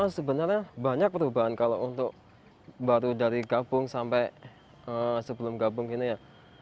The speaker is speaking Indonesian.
sebenarnya banyak perubahan kalau untuk baru dari gabung sampai sebelum gabung ini ya